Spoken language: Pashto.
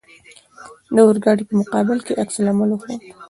د اورګاډي په مقابل کې عکس العمل وښود.